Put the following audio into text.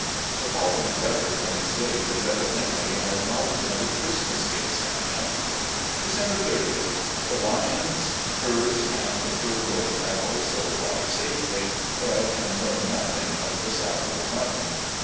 The following letter, from its date, is evidently an acknowledgment of Christmas gifts sent him; " December 30th. .. The Lyons furs and fur robe have also arrived safely, but I can learn nothing of the saddle of mutton.